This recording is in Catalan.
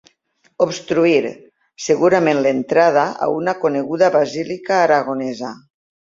Obstruir, segurament l'entrada a una coneguda basílica aragonesa.